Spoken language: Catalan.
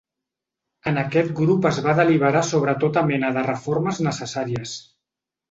En aquest grup es va deliberar sobre tota mena de reformes necessàries.